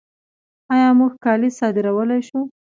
آیا موږ کالي صادرولی شو؟